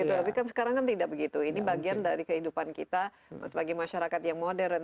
tapi kan sekarang kan tidak begitu ini bagian dari kehidupan kita sebagai masyarakat yang modern